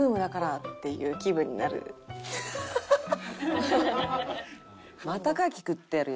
ハハハハ！